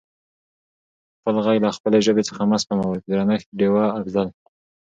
خپل غږ له خپلې ژبې څخه مه سپموٸ په درنښت ډیوه افضل🙏